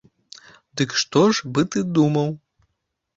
Дык што ж бы ты думаў?